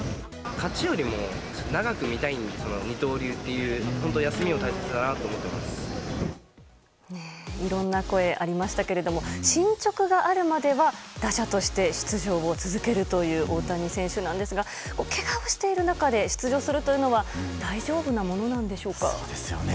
勝ちよりも長く見たいんですよ、その二刀流っていう、本当休いろんな声ありましたけれども、進捗があるまでは打者として出場を続けるという大谷選手なんですが、けがをしている中で出場するというのは、大丈夫なものなんでしょそうですよね。